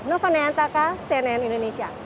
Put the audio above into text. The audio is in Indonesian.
novo neantaka cnn indonesia